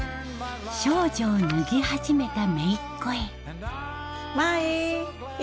少女を脱ぎ始めた姪っ子へまい！